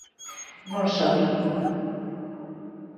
Non só ti.